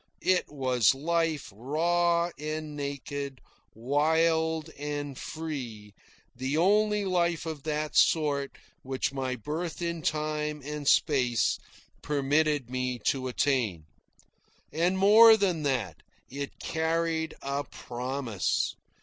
It was life raw and naked, wild and free the only life of that sort which my birth in time and space permitted me to attain. And more than that. It carried a promise.